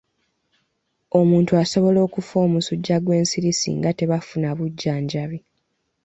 Omuntu asobola okufa omusujja gw'ensiri singa tebafuna bujjanjabi.